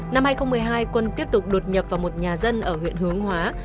năm hai nghìn một mươi hai quân tiếp tục đột nhập vào một nhà dân ở huyện hướng hóa